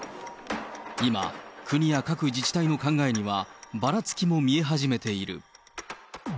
今、国や各自治体の考えには、ばらつきも見え始めている。